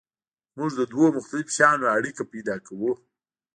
موږ د دوو مختلفو شیانو اړیکه پیدا کوو.